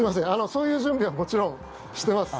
そういう準備はもちろんしてます。